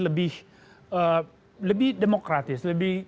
lebih lebih demokratis lebih